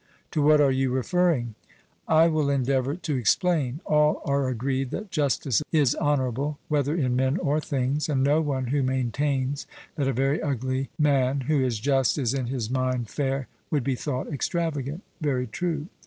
'To what are you referring?' I will endeavour to explain. All are agreed that justice is honourable, whether in men or things, and no one who maintains that a very ugly men who is just, is in his mind fair, would be thought extravagant. 'Very true.'